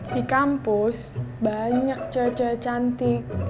di kampus banyak cowok dua cantik